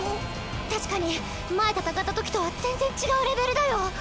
確かに前と戦った時とは全然違うレベルだよ！